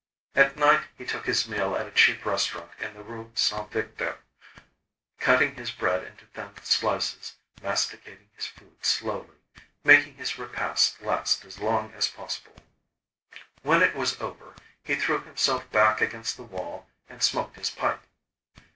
At night, he took his meal at a cheap restaurant in the Rue Saint Victor, cutting his bread into thin slices, masticating his food slowly, making his repast last as long as possible. When it was over, he threw himself back against the wall and smoked his pipe.